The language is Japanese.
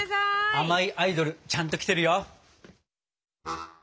甘いアイドルちゃんと来てるよ。